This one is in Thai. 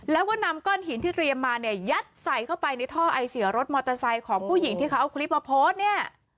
แล้วก็นำก้อนหินที่เตรียมมาเนี่ยยัดใส่เข้าไปในท่อไอเสียรถมอเตอร์ไซค์ของผู้หญิงที่เขาเอาคลิปมาโพสต์เนี่ย